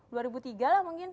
dua ribu tiga lah mungkin